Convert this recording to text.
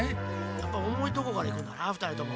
やっぱおもいとこからいくんだなふたりとも。